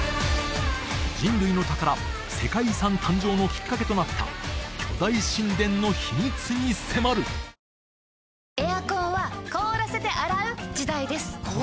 人類の宝世界遺産誕生のきっかけとなった巨大神殿の秘密に迫る脂肪対策続かない